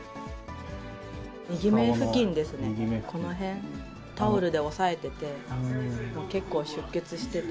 右目付近ですね、この辺、タオルで押さえてて、結構出血してて。